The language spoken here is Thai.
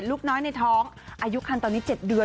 ลูกน้อยในท้องอายุคันตอนนี้๗เดือน